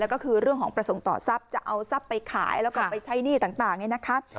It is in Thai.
แล้วก็คือเรื่องของประสงค์ต่อทรัพย์จะเอาทรัพย์ไปขายแล้วก็ไปใช้หนี้ต่างเนี่ยนะคะ